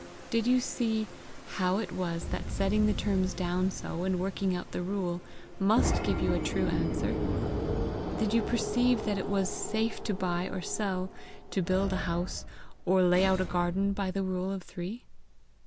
"Did you see how it was that setting the terms down so, and working out the rule, must give you a true answer. Did you perceive that it was safe to buy or sell, to build a house, or lay out a garden, by the rule of three?"